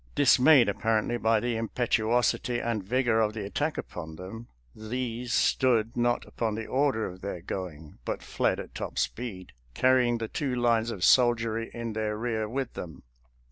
Dis mayed, apparently, by the impetuosity and vigor of the attack upon them, these stood not upon the order of their going, but fied at top speed, carrying the two lines of soldiery in their rear with them.